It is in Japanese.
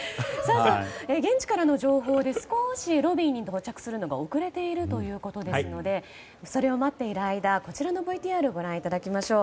現地からの情報で少しロビーに到着するのが遅れているということですのでそれを待っている間こちらのＶＴＲご覧いただきましょう。